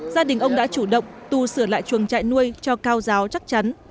gia đình ông đã chủ động tu sửa lại chuồng trại nuôi cho cao giáo chắc chắn